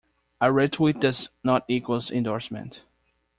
A re-tweet does not equals endorsement.